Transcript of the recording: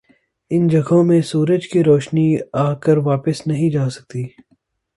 ان جگہوں میں سورج کی روشنی آکر واپس نہیں جاسکتی ۔